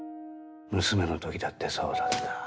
娘の時だってそうだった。